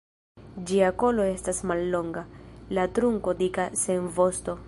Ĝia kolo estas mallonga, la trunko dika sen vosto.